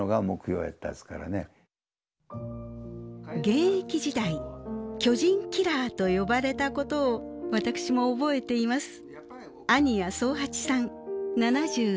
現役時代巨人キラーと呼ばれたことを私も覚えています。